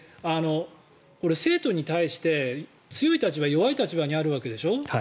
生徒に対して強い立場弱い立場にあるわけでしょ。